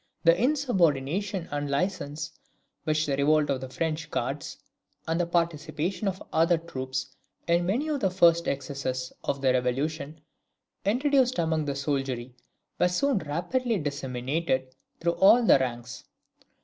The insubordination and licence, which the revolt of the French guards, and the participation of other troops in many of the first excesses of the Revolution introduced among the soldiery, were soon rapidly disseminated through all the ranks.